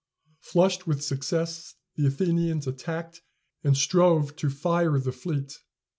Flushed with success, the Athenians attacked and strove to fire the fleet.